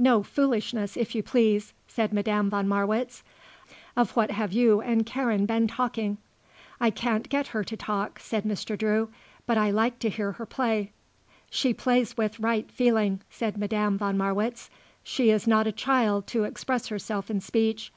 "No foolishness if you please," said Madame von Marwitz. "Of what have you and Karen been talking?" "I can't get her to talk," said Mr. Drew. "But I like to hear her play." "She plays with right feeling," said Madame von Marwitz. "She is not a child to express herself in speech.